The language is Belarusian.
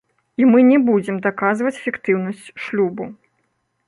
І мы не будзем даказваць фіктыўнасць шлюбу.